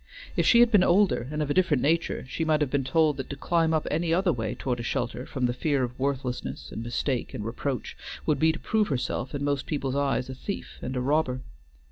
If she had been older and of a different nature, she might have been told that to climb up any other way toward a shelter from the fear of worthlessness, and mistake, and reproach, would be to prove herself in most people's eyes a thief and a robber.